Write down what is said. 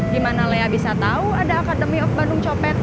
gimana lea bisa tau ada academy of bandung copet